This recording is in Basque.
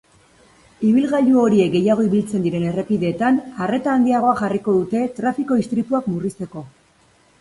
Ibilgailu horiek gehiago ibiltzen diren errepideetan arreta handiagoa jarriko dute trafiko istripuak murrizteko.